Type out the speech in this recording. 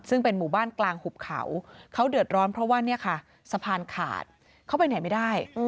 ซึ่งเป็นหมู่บ้านกลางหุบเขาเขาเดือดร้อนเพราะว่าเนี่ยค่ะสะพานขาดเขาไปไหนไม่ได้